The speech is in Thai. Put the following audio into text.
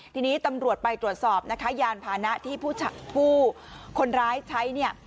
ทีนี้ตำรวจไปตรวจสอบยานพานะที่ผู้หกปูคนร้ายใช้